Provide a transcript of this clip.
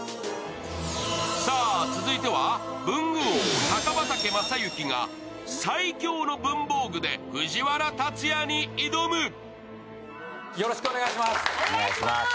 さあ、続いては文具王高畑正幸が最強の文房具で藤原竜也に挑む。